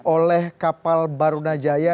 oleh kapal barunajaya